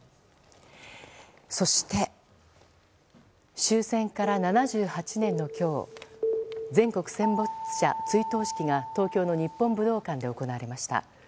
そして、終戦から７８年の今日全国戦没者追悼式が東京の日本武道館で行われました。